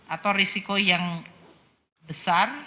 atau risiko yang besar